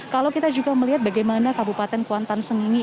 kalau kita juga melihat bagaimana kabupaten kuantan sengingi